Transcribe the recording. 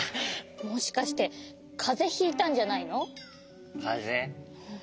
もしかしてかぜひいたんじゃないの？かぜ？